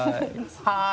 はい。